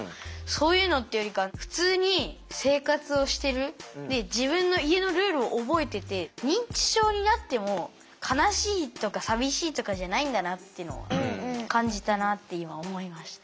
そういうのっていうよりか普通に生活をしてるで自分の家のルールを覚えてて認知症になっても悲しいとか寂しいとかじゃないんだなっていうのを感じたなって今思いました。